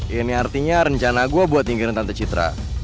ini artinya rencana gue buat ningkirin tante citra